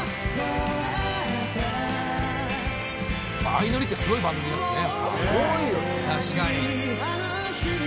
「『あいのり』ってすごい番組ですね」